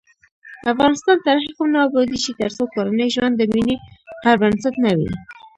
افغانستان تر هغو نه ابادیږي، ترڅو کورنی ژوند د مینې پر بنسټ نه وي.